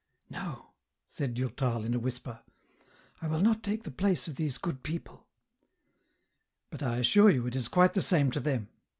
No," said Durtal, in a whisper, " I will not take the place of these good people." " But I assure you it is quite the same to them."